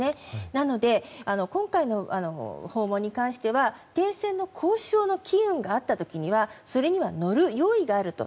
なので、今回の訪問に関しては停戦の交渉の機運があった時にはそれには乗る用意があると。